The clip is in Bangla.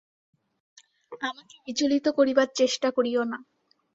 আমাকে বিচলিত করিবার চেষ্টা করিয়ো না।